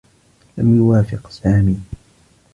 لم يوافق سامي.